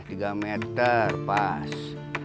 tiga meter pas